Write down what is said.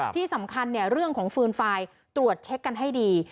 ที่สำคัญเรื่องของฟืนไฟล์ตรวจเช็คกันให้ดี